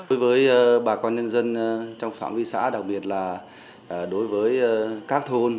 đối với bà con nhân dân trong phạm vi xã đặc biệt là đối với các thôn